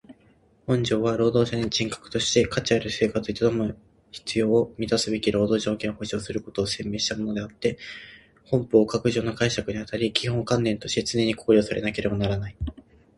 本条は労働者に人格として価値ある生活を営む必要を充すべき労働条件を保障することを宣明したものであつて本法各条の解釈にあたり基本観念として常に考慮されなければならない。